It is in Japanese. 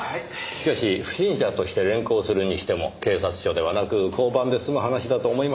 しかし不審者として連行するにしても警察署ではなく交番で済む話だと思いますがね。